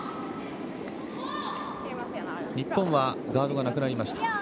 日本はガードがなくなりました。